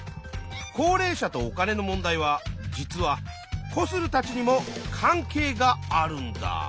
高齢者とお金の問題は実はコスルたちにも関係があるんだ。